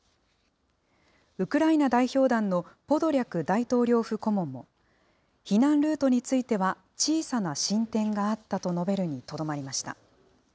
ウクライナ代表団のポドリャク大統領府顧問も、避難ルートについては、小さな進展があったと述べるにとどまりました。